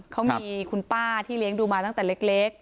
เขามีคุณป้าที่เลี้ยงดูมาตั้งแต่เล็ก